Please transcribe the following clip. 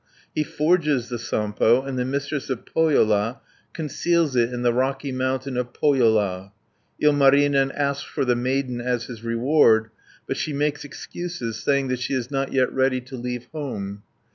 He forges the Sampo, and the Mistress of Pohjola conceals it in the Rocky Mountain of Pohjola (281 432). Ilmarinen asks for the maiden as his reward, but she makes excuses, saying that she is not yet ready to leave home (433 462).